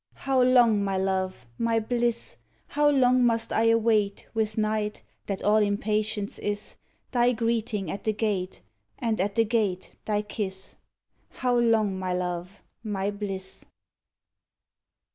How long, my love, my bliss! How long must I await With night, that all impatience is, Thy greeting at the gate, And at the gate thy kiss? How long, my love, my bliss!